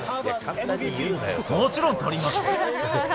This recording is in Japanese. もちろんとります。